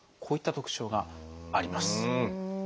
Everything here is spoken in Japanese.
こういった特徴があります。